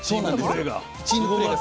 チームプレーが。